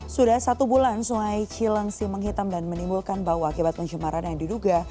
sudah satu bulan sungai cilengsi menghitam dan menimbulkan bahwa akibat pencemaran yang diduga